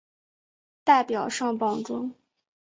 代表上榜中